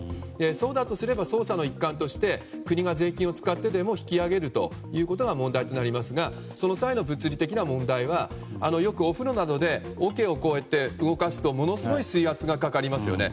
そうだとすれば捜査の一環として国が税金を使ってでも引き揚げるということが問題となりますがその際の物理的な問題はよくお風呂などで桶を動かすとものすごい水圧がかかりますよね。